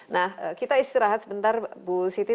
nah kita istirahat sebentar bu siti